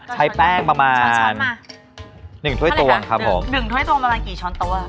ใช้แป้งประมาณหนึ่งถ้วยตัวครับผมหนึ่งถ้วยตัวประมาณกี่ช้อนตัว